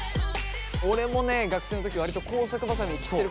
俺もね学生の時割と工作ばさみで切ってること多かった。